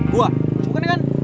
gue bukan ya kan